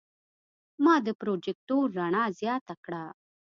ما د پروجیکتور رڼا زیاته کړه.